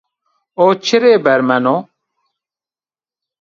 O çirê bermeno?